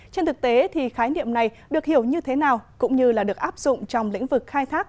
trên thực tế thì khái niệm này được hiểu như thế nào cũng như là được áp dụng trong lĩnh vực khai thác